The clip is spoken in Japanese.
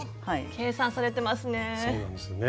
計算されてますね。